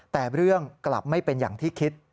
แต่เรื่องกลับไม่เป็นอย่างที่คิด